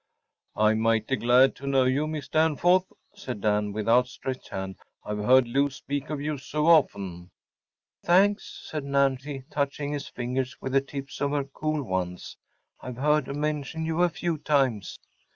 “I’m mighty glad to know you, Miss Danforth,‚ÄĚ said Dan, with outstretched hand. “I’ve heard Lou speak of you so often.‚ÄĚ ‚ÄúThanks,‚ÄĚ said Nancy, touching his fingers with the tips of her cool ones, “I’ve heard her mention you‚ÄĒa few times.